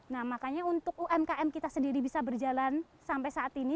nah makanya untuk umkm kita sendiri bisa berjalan sampai saat ini